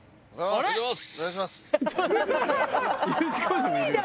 お願いします。